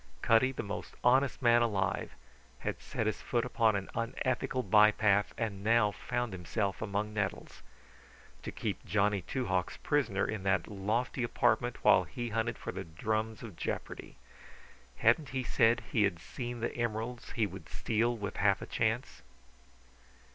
Cutty, the most honest man alive, had set his foot upon an unethical bypath and now found himself among nettles. To keep Johnny Two Hawks prisoner in that lofty apartment while he hunted for the drums of jeopardy! Hadn't he said he had seen emeralds he would steal with half a chance?